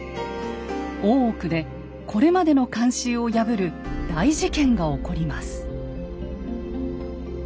大奥でこれまでの慣習を破る大事件が起こります。